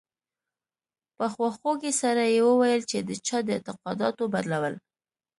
په خواخوږۍ سره یې وویل چې د چا د اعتقاداتو بدلول.